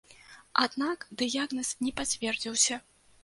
Аднак дыягназ не пацвердзіўся.